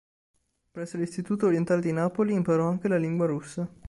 Presso l'Istituto Orientale di Napoli imparò anche la lingua russa.